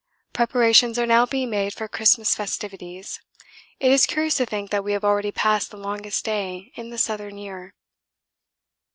Preparations are now being made for Christmas festivities. It is curious to think that we have already passed the longest day in the southern year.